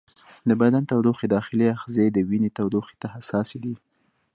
د بدن د تودوخې داخلي آخذې د وینې تودوخې ته حساسې دي.